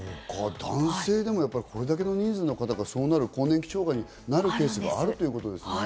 男性でもこれだけの人数の方がそうなる、更年期障害になるケースがあるんですね。